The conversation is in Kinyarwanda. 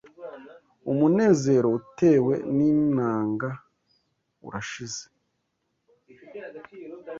umunezero utewe n’inanga urashize